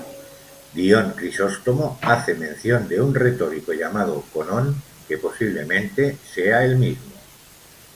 Dion Crisóstomo hace mención de un retórico llamado Conón, que posiblemente sea el mismo.